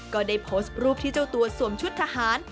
ก็ได้โพสต์รูปที่เจ้าตัวสวมชุดทหาร